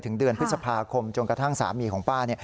เดือนพฤษภาคมจนกระทั่งสามีของป้า